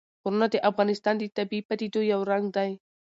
غرونه د افغانستان د طبیعي پدیدو یو رنګ دی.